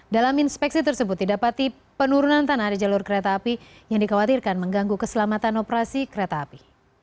dalam inspeksi tersebut didapati penurunan tanah di jalur kereta api yang dikhawatirkan mengganggu keselamatan operasi kereta api